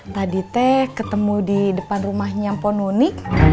tadi teh ketemu di depan rumahnya pononi